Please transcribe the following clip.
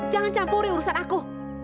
jangan campuri urusan aku